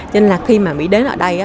nên là khi mà mỹ đến ở đây